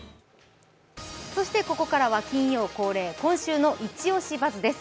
そしてここからは金曜恒例「今週のイチオシバズ！」です。